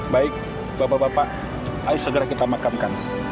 baik bapak bapak ayo segera kita makan kan